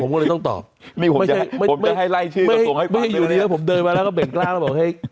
คุณภาคได้